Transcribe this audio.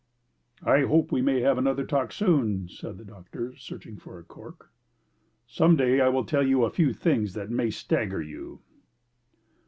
"I hope we may have another talk soon," said the doctor, searching for a cork. "Some day I will tell you a few things that may stagger you."